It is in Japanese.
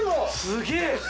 すげえ！